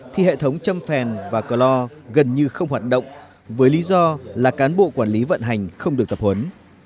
thì hệ thống châm phèn và clor gần như không hoạt động với lý do là cán bộ quản lý vận hành không được tập huấn